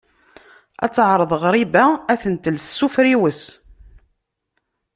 Ad teɛreḍ ɣriba ad ten-tels s ufriwes